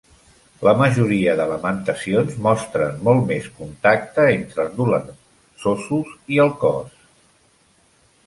La majoria de "Lamentacions" mostren molt més contacte entre els dolençosos i el cos.